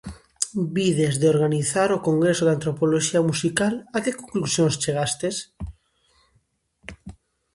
Vides de organizar o congreso de antropoloxía musical, a que conclusións chegastes?